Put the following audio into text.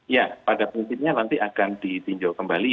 ya pada prinsipnya nanti akan ditinjau kembali